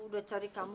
aku sudah mencari kamu